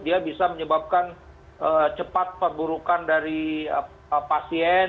dia bisa menyebabkan cepat perburukan dari pasien